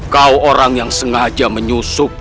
kau orang yang sengaja menyusup